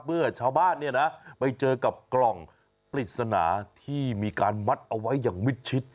เมื่อชาวบ้านเนี่ยนะไปเจอกับกล่องปริศนาที่มีการมัดเอาไว้อย่างมิดชิด